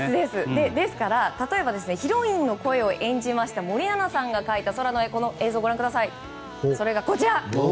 ですから、例えばヒロインの声を演じました森七菜さんが描いた空の絵がこちら。